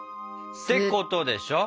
てことでしょ？